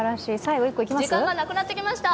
時間がなくなってきました。